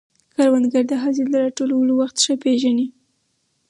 کروندګر د حاصل د راټولولو وخت ښه پېژني